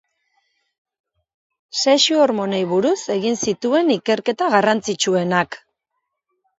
Sexu-hormonei buruz egin zituen ikerketa garrantzitsuenak.